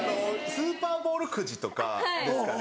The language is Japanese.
スーパーボールくじとかですかね。